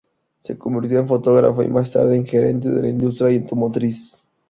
Se convirtió en fotógrafo y más tarde en gerente en la industria automotriz.